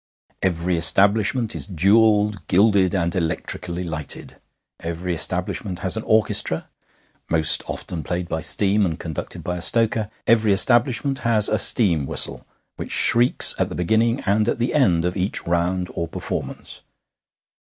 Every establishment is jewelled, gilded, and electrically lighted; every establishment has an orchestra, most often played by steam and conducted by a stoker; every establishment has a steam whistle, which shrieks at the beginning and at the end of each round or performance.